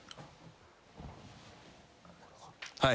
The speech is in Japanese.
はい。